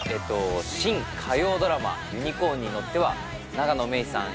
新火曜ドラマ「ユニコーンに乗って」は永野芽郁さん